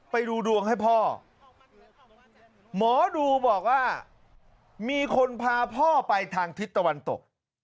ไปดูดวงให้พ่อหมอดูบอกว่ามีคนพาพ่อไปทางทิศตะวันตก